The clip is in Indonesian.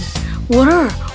dan dia mengambil yang lain